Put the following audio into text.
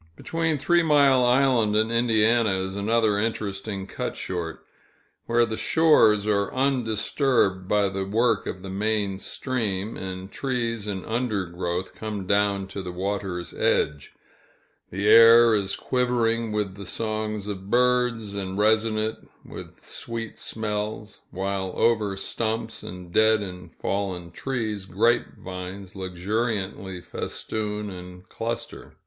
Between Three Mile Island and Indiana, is another interesting cut short, where the shores are undisturbed by the work of the main stream, and trees and undergrowth come down to the water's edge; the air is quivering with the songs of birds, and resonant with sweet smells; while over stumps, and dead and fallen trees, grape vines luxuriantly festoon and cluster.